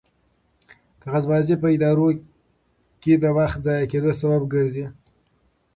کاغذبازي په ادارو کې د وخت د ضایع کېدو سبب ګرځي.